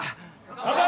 乾杯！